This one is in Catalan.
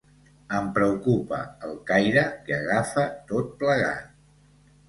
Em preocupa el caire que agafa tot plegat.